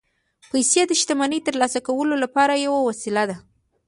پیسې د شتمنۍ ترلاسه کولو لپاره یوه وسیله ده